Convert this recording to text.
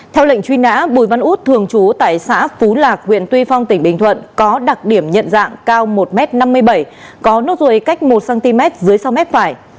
theo lệnh truy nã bùi văn út thường trú tại xã phú lạc huyện tuy phong tỉnh bình thuận có đặc điểm nhận dạng cao một m năm mươi bảy có nốt ruồi cách một cm dưới sau mép phải